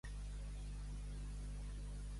Cara de cagaire.